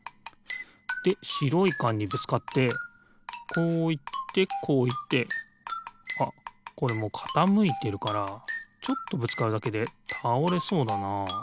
でしろいかんにぶつかってこういってこういってあっこれもうかたむいてるからちょっとぶつかるだけでたおれそうだな。